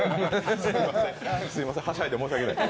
すいません、はしゃいで申し訳ない。